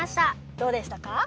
どうでしたか？